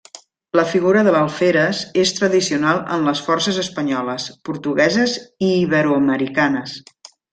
La figura de l'alferes és tradicional en les forces espanyoles, portugueses i iberoamericanes.